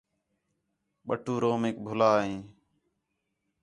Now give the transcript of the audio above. بَٹو رُومیک بُھلا آئے ہوں